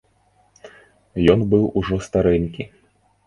Ён быў ужо старэнькі.